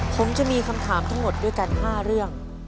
ผมจะมีคำถามทั้งหมดด้วยกัน๕เรื่อง